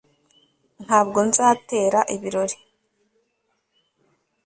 ntabwo nzatera ibirori